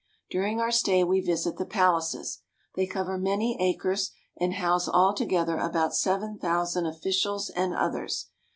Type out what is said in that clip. During our stay we visit the palaces. They cover many acres, and house all together about seven thousand officials and others.